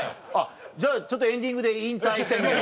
じゃあちょっとエンディングで引退宣言を。